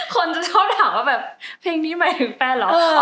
คนจะชอบถามว่าแบบเพลงนี้หมายถึงแฟนเหรอ